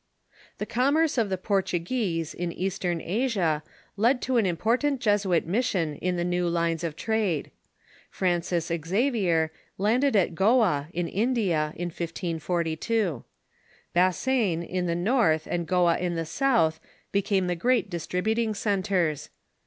The commerce of the Portuguese in Eastern Asia led to an important Jesuit mission on the new lines of trade. Francis Xavler landed at Goa, in India, in 1542. Bassein in the north and Goa in the south became the great distribut ing centres.